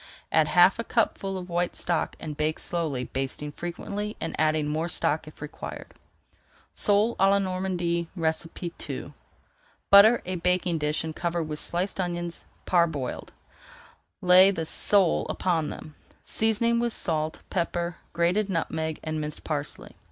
Add half a cupful of white stock and bake slowly, basting frequently and adding more stock if required. SOLE À LA NORMANDY II Butter a baking dish and cover with sliced onions, parboiled. Lay the sale upon them, seasoning with salt, pepper, grated nutmeg, and minced parsley.